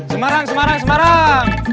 semarang semarang semarang